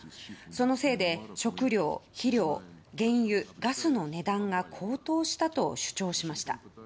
そのせいで食料、肥料、原油ガスの値段が高騰したと主張しました。